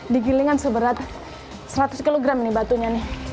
digiling kan seberat seratus kg ini batunya